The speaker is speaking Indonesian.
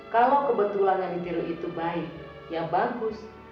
kalau kebetulan yang ditiru itu baik yang bagus